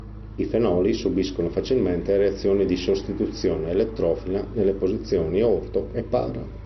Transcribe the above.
I fenoli subiscono facilmente reazioni di sostituzione elettrofila nelle posizioni "orto" e "para".